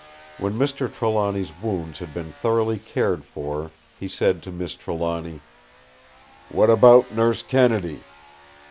When Mr. Trelawny's wounds had been thoroughly cared for, he said to Miss Trelawny: "What about Nurse Kennedy?"